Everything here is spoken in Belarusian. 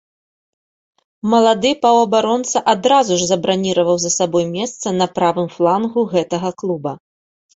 Малады паўабаронца адразу ж забраніраваў за сабой месца на правым флангу гэтага клуба.